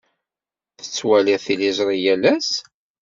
Tettwaliḍ tiliẓri yal ass?